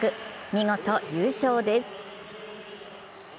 見事優勝です。